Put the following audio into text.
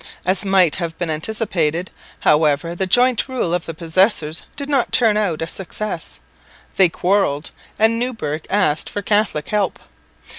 As might have been anticipated, however, the joint rule of the "possessors" did not turn out a success. They quarrelled, and Neuburg asked for Catholic help.